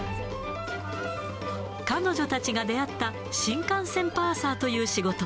彼女たちが出会った新幹線パーサーという仕事。